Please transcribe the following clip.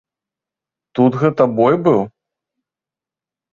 Тут гэта бой быў?